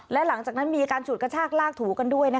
และหลังจากนั้นมีการฉุดกระชากลากถูกันด้วย